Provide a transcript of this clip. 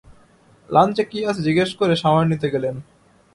লাঞ্চে কি আছে জিজ্ঞেস করে শাওয়ার নিতে গেলেন।